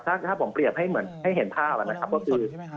ถ้าผมเปรียบให้เหมือนให้เห็นภาพนะครับก็คือ